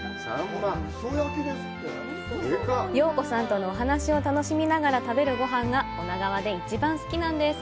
陽子さんとのお話を楽しみながら食べるごはんが女川で一番好きなんです！